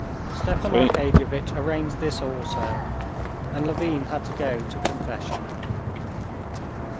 Stepan Arkadyevitch arranged this also, and Levin had to go to confession.